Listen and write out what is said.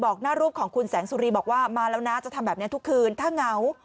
หน้ารูปของคุณแสงสุรีบอกว่ามาแล้วนะจะทำแบบนี้ทุกคืนถ้าเหงา